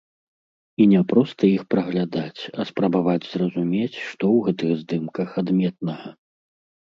І не проста іх праглядаць, а спрабаваць зразумець, што ў гэтых здымках адметнага.